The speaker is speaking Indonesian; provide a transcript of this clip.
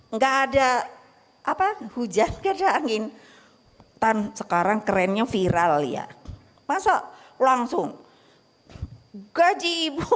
enggak ada apa hujan kerja angin tan sekarang kerennya viral ya masa langsung gaji ibu